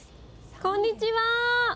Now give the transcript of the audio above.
こんにちは！